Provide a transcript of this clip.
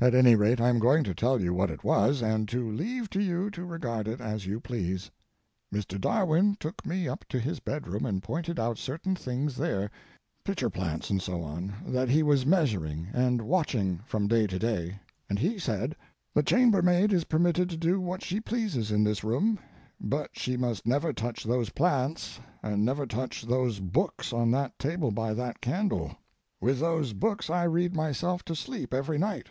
At any rate, I am going to tell you what it was, and to leave to you to regard it as you please. Mr. Darwin took me up to his bedroom and pointed out certain things there pitcher plants, and so on, that he was measuring and watching from day to day—and he said: 'The chambermaid is permitted to do what she pleases in this room, but she must never touch those plants and never touch those books on that table by that candle. With those books I read myself to sleep every night.'